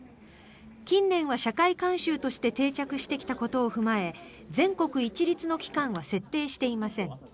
近年は社会慣習として定着してきたことを踏まえ全国一律の期間は設定していません。